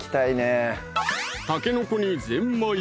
たけのこにぜんまい！